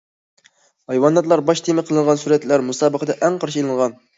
ھايۋاناتلار باش تېما قىلىنغان سۈرەتلەر مۇسابىقىدە ئەڭ قارشى ئېلىنغان.